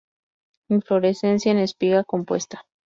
Inflorescencia en espiga compuesta.